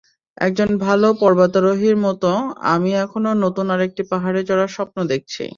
একজন ভালো পর্বতারোহীর মতো, আমি এখনো নতুন আরেকটি পাহাড়ে চড়ার স্বপ্ন দেখছি।